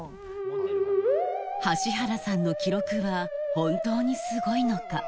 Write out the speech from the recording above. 橋原さんの記録は本当にすごいのか？